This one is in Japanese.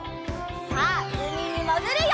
さあうみにもぐるよ！